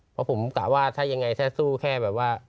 เพราะผมกะว่าถ้ายังไงถ้าสู้แค่แบบว่า